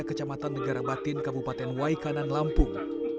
kecamatan negara batin kabupaten waikanan lampung